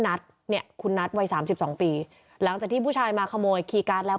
นัทเนี่ยคุณนัทวัยสามสิบสองปีหลังจากที่ผู้ชายมาขโมยคีย์การ์ดแล้ว